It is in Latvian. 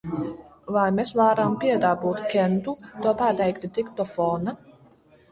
Vai mēs varam piedabūt Kentu to pateikt diktofonā?